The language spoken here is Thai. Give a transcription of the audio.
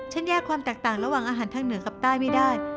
แยกความแตกต่างระหว่างอาหารทางเหนือกับใต้ไม่ได้